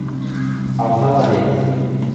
Алтала вет.